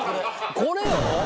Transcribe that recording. これよ！